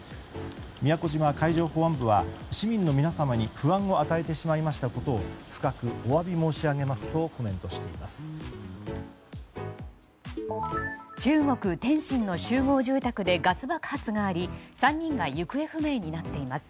宮古島海上保安部は市民の皆様に不安を与えてしまいましたことを深くお詫び申し上げますとコメントしています。